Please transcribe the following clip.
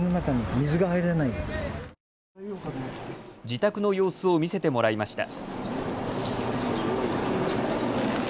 自宅の様子を見せてもらいました。